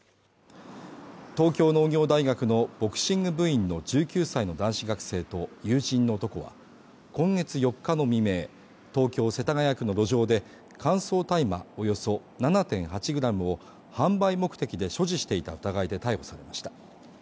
東京農業大学のボクシング部員の１９歳の男子学生と友人の男は、今月４日の未明、東京・世田谷区の路上で乾燥大麻およそ７．８ｇを販売目的で所持していた疑いで逮捕されました